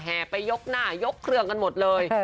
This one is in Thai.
ไปยกหน้ายกเครื่องกันหมดเลย